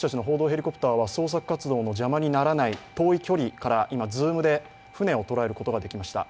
ヘリコプターは捜索活動の邪魔にならない遠い距離から、ズームで船を捉えることができました。